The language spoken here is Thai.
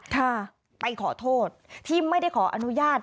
ค่ะไปขอโทษที่ไม่ได้ขออนุญาต